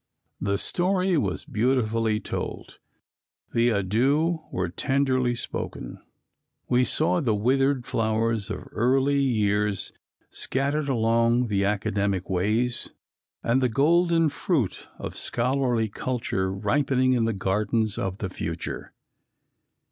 The story was beautifully told, the adieux were tenderly spoken. We saw the withered flowers of early years scattered along the academic ways, and the golden fruit of scholarly culture ripening in the gardens of the future.